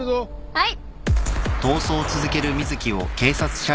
はい！